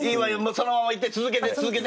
そのままいって続けて続けて。